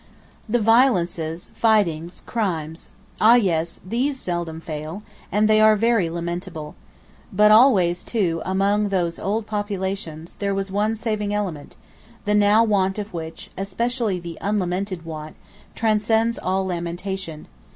The violences, fightings, crimes ah yes, these seldom fail, and they are very lamentable. But always, too, among those old populations, there was one saving element; the now want of which, especially the unlamented want, transcends all lamentation.